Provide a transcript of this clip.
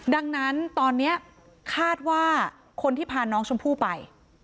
ดังนั้นตอนนี้คาดว่าคนที่พาน้องชมพู่ไป